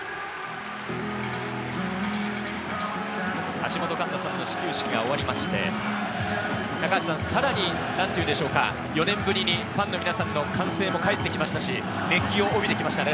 橋本環奈さんの始球式が終わりまして、高橋さん、さらに４年ぶりにファンの皆さんの歓声も帰ってきましたし、熱気を帯びてきましたね。